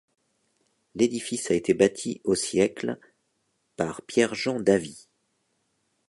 L'édifice a été bâti au siècle par Pierre Jean Davy.